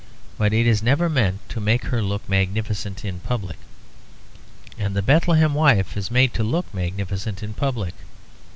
But is never meant to make her look magnificent in public; and the Bethlehem wife is made to look magnificent in public.